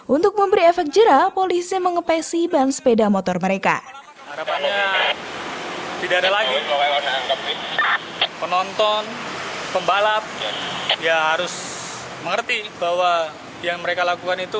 untuk memberi efek jerah polisi mengepesi ban sepeda motor mereka